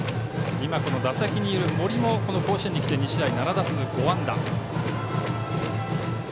打席にいる森も甲子園にきて２試合７打数５安打。